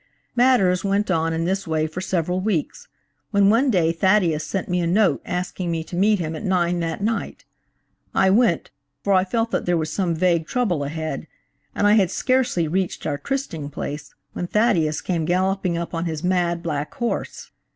"Matters went on in this way for several weeks, when one day Thaddeus sent me a note asking me to meet him at nine that night. I went, for I felt that there was some vague trouble ahead, and I had scarcely reached our trysting place when Thaddeus came galloping up on his mad, black horse.